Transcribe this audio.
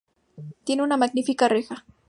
Tiene una magnífica reja.